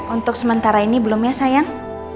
untuk sementara ini belum ya sayang